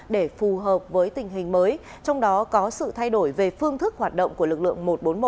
để phù hợp với tình hình mới trong đó có sự thay đổi về phương thức hoạt động của lực lượng một trăm bốn mươi một